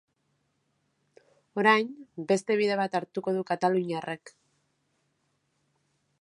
Orain, beste bide bt hartuko du kataluniarrak.